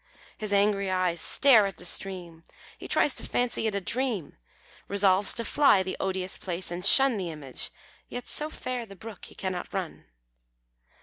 His angry eyes stare at the stream, He tries to fancy it a dream. Resolves to fly the odious place, and shun The image; yet, so fair the brook, he cannot run.